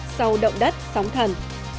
nga thúc đẩy liên lạc giữa israel và iran